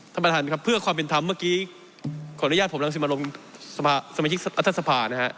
ท่านประธานครับเพื่อความเป็นธรรมเมื่อกี้ขออนุญาตผมรังสิมลงสมาชิกรัฐสภานะฮะ